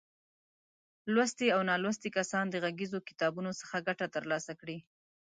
لوستي او نالوستي کسان د غږیزو کتابونو څخه ګټه تر لاسه کړي.